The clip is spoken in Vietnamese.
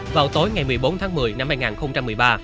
vào tối ngày một mươi bốn tháng một mươi năm hai nghìn một mươi ba